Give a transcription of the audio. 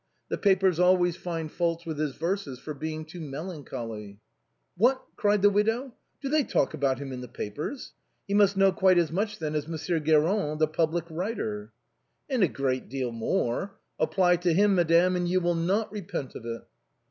The papers always find fault with his verses for being too melancholy." " What !" cried the widow, " do they talk about him in the papers? He must know quite as much, then, as Mon sieur Guérin, the public writer." " And a great deal more. Apply to him, madame, and you will not repent of it."